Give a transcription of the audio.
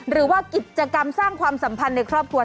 หรือว่ากิจกรรมสร้างความสัมพันธ์ในครอบครัว